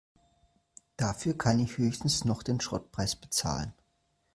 Dafür kann ich höchstens noch den Schrottpreis bezahlen.